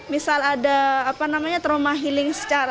misal ada trauma healing secara